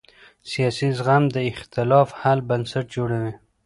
سیاسي زغم د اختلاف حل بنسټ جوړوي